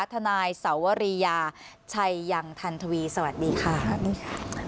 ทนายสวรียาชัยยังทันทวีสวัสดีค่ะสวัสดีค่ะ